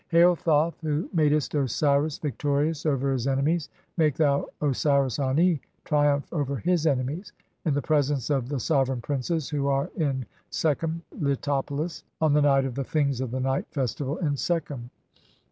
"Hail, Thoth, who madest Osiris victorious over his enemies, "make thou Osiris Ani triumphant over his enemies in the pre sence of (4) the sovereign princes who are in Sekhem (Leto "polis), on the night of the 'things of the night [festival] in "Sekhem'."